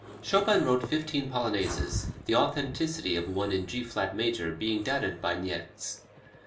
Chopin wrote fifteen Polonaises, the authenticity of one in G flat major being doubted by Niecks.